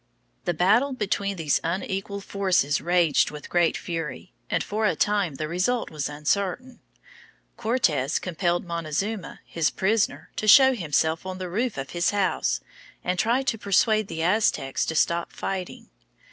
The battle between these unequal forces raged with great fury, and for a time the result was uncertain. Cortes compelled Montezuma, his prisoner, to show himself on the roof of his house and try to persuade the Aztecs to stop fighting.